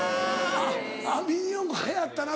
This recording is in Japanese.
あぁミニ四駆流行ったな